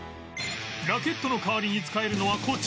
ラケットの代わりに使えるのはこちら